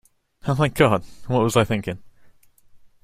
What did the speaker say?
Oh my God, what was I thinking?